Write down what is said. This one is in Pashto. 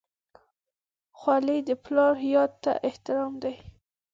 خولۍ د پلار یاد ته احترام دی.